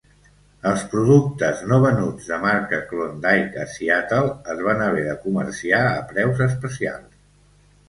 Els productes no venuts, de marca Klondike, a Seattle es van haver de comerciar a preus especials.